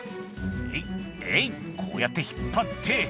「えいっえいっこうやって引っ張って」